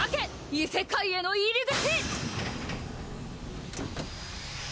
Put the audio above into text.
異世界への入り口！